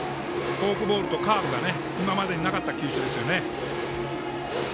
フォークボールとカーブが今までになかった球種ですよね。